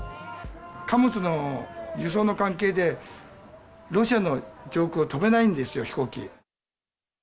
貨物の輸送の関係で、ロシアの上空を飛べないんですよ、飛行機。